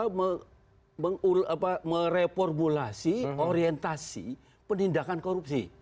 karena itu bisa mereformulasi orientasi penindakan korupsi